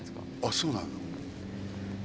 そうなの？